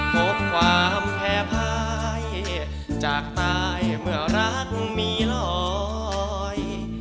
พบความแพ้ภายจากตายเมื่อรักมีลอย